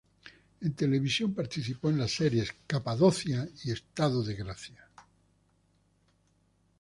En televisión participó en las series "Capadocia" y "Estado de gracia".